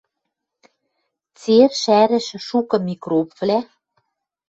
Цер шӓрӹшӹ шукы микробвлӓ